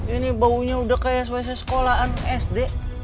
ini baunya udah kayak selesai sekolahan sd